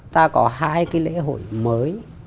ta có hai cái lễ hội mới